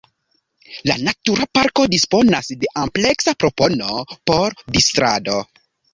La Natura Parko disponas de ampleksa propono por distrado.